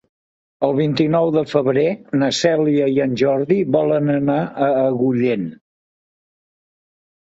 El vint-i-nou de febrer na Cèlia i en Jordi volen anar a Agullent.